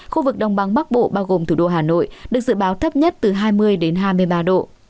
khu vực đông bắc bộ bao gồm thủ đô hà nội được dự báo thấp nhất từ hai mươi hai mươi ba độ